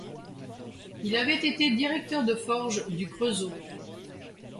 Il avait été directeur de forges du Creusot.